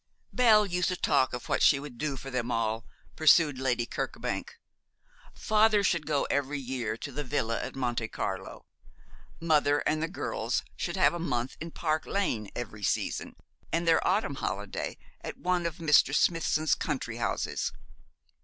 'Belle used to talk of what she would do for them all,' pursued Lady Kirkbank. 'Father should go every year to the villa at Monte Carlo; mother and the girls should have a month in Park Lane every season, and their autumn holiday at one of Mr. Smithson's country houses.